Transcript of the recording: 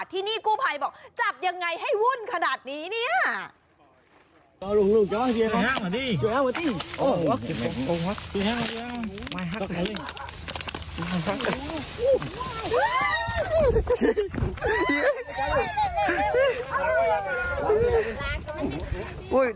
ที่นี่กู้ภัยบอกจับยังไงให้วุ่นขนาดนี้เนี่ย